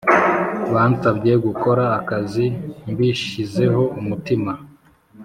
bansabye gukora akazi mbishyizeho umutima